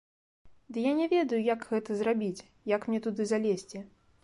- Ды я не ведаю, як гэта зрабіць, як мне туды залезці